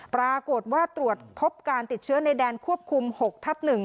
ปรากฏว่าตรวจพบการติดเชื้อในแดนควบคุม๖ทับ๑